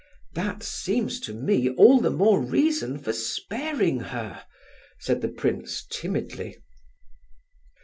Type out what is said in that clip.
"That seems to me all the more reason for sparing her," said the prince timidly.